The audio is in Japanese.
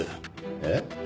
えっ？